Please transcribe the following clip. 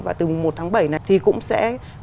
và từ một tháng bảy này thì cũng sẽ